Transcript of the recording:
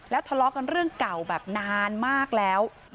ทะเลาะกันเรื่องเก่าแบบนานมากแล้ว